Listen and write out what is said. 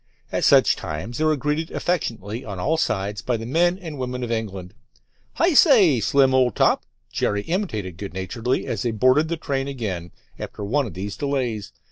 At such times they were greeted affectionately on all sides by the men and women of England. "Hi say, Slim, old top," Jerry imitated good naturedly as they boarded the train again after one of these delays.